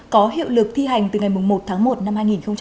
có hiệu lực thi hành từ ngày một tháng một năm hai nghìn một mươi sáu